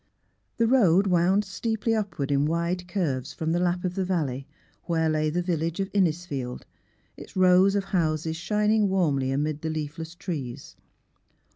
. The road wound steeply upward in wide curves APRILING 17 from the lap of the valley, where lay the village of Innisfield, its rows of houses shining warmly amid the leafless trees.